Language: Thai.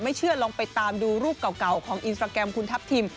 เชื่อลองไปตามดูรูปเก่าของอินสตราแกรมคุณทัพทิม